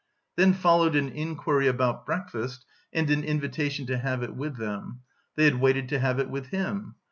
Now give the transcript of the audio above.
Then followed an inquiry about breakfast and an invitation to have it with them; they had waited to have it with him.